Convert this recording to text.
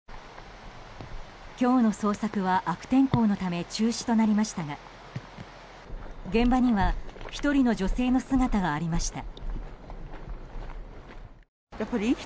今日の捜索は悪天候のため中止となりましたが現場には１人の女性の姿がありました。